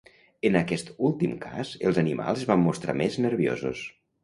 En aquest últim cas, els animals es van mostrar més nerviosos.